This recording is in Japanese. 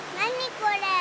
これ。